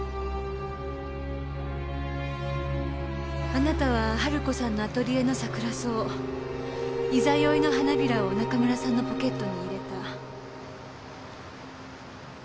あなたは春子さんのアトリエのサクラソウ十六夜の花弁を中村さんのポケットに入れた。